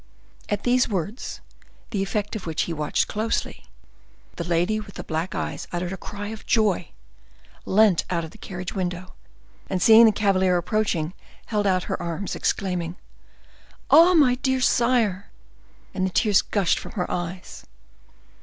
At these words, the effect of which he watched closely, the lady with the black eyes uttered a cry of joy, leant out of the carriage window, and seeing the cavalier approaching, held out her arms, exclaiming: "Ah, my dear sire!" and the tears gushed from her eyes.